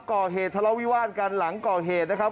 ก่อเหตุทะเลาวิวาสกันหลังก่อเหตุนะครับ